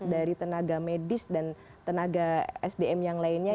dari tenaga medis dan tenaga sdm yang lainnya